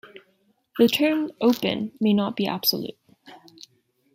The term 'Open' may not be absolute.